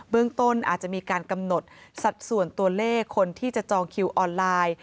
เรื่องต้นอาจจะมีการกำหนดสัดส่วนตัวเลขคนที่จะจองคิวออนไลน์